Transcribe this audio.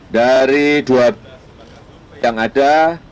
dari dua yang ada